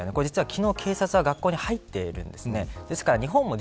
昨日、警察が学校に入っているんですね。